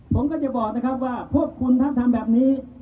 ผมก็จะบอกนะครับว่าพวกคุณท่านทำแบบนี้